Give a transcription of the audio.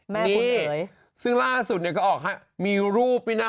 นี่ซึ่งล่าสุดเนี่ยก็ออกให้มีรูปนี่นะคะ